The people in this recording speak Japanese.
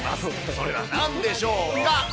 それはなんでしょうか？